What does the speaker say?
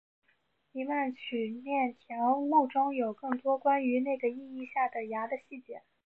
黎曼曲面条目中有更多关于那个意义下的芽的细节。